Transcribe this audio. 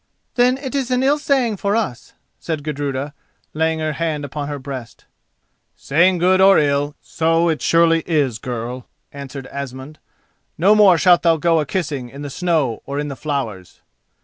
"Then it is an ill saying for us," said Gudruda, laying her hand upon her breast. "Saying good or ill, so it surely is, girl," answered Asmund. "No more shalt thou go a kissing, in the snow or in the flowers."